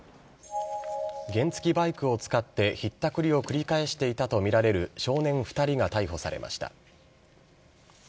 原付バイクを使ってひったくりを繰り返していたと見られる少年２人が逮捕されました。